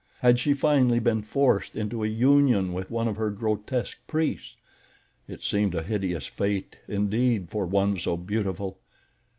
Had she finally been forced into a union with one of her grotesque priests? It seemed a hideous fate, indeed, for one so beautiful.